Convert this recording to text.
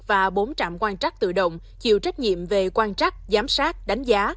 và bốn trạm quan trắc tự động chịu trách nhiệm về quan trắc giám sát đánh giá